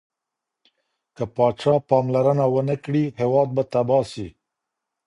که پاچا پاملرنه ونه کړي، هیواد به تباه سي.